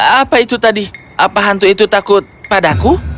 apa itu tadi apa hantu itu takut padaku